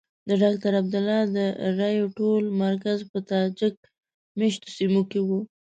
د ډاکټر عبدالله د رایو ټول مرکز په تاجک مېشتو سیمو کې وو.